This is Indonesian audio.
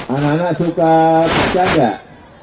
anak anak suka baca enggak